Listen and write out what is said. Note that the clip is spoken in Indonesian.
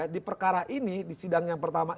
di perkara ini di sidang yang pertama